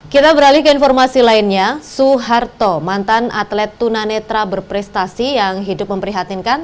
kita beralih ke informasi lainnya suharto mantan atlet tunanetra berprestasi yang hidup memprihatinkan